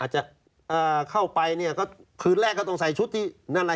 จะเข้าไปเนี่ยก็คืนแรกก็ต้องใส่ชุดที่นั่นอะไร